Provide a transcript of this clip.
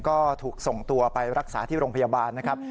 ก็ถูกส่งตัวไปรักษาที่โรงพยาบาลนะครับ